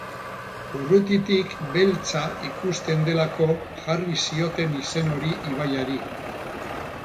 Urrutitik beltza ikusten delako jarri zioten izen hori ibaiari.